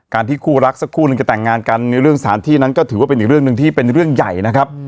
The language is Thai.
ที่คู่รักสักคู่หนึ่งจะแต่งงานกันในเรื่องสถานที่นั้นก็ถือว่าเป็นอีกเรื่องหนึ่งที่เป็นเรื่องใหญ่นะครับ